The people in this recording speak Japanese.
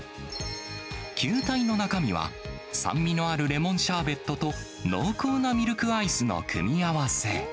球体の中身は、酸味のあるレモンシャーベットと濃厚なミルクアイスの組み合わせ。